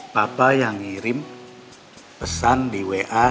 papa yang ngirim pesan di wa